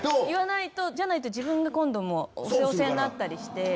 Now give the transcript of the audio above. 言わないと、じゃないと自分が、今度、押せ押せになったりして。